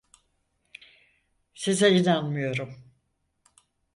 Size inanmıyorum.